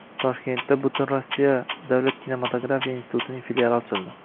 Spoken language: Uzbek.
Toshkentda Butunrossiya davlat kinematografiya institutining filiali ochildi